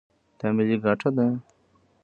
دا ملي ګټه ده.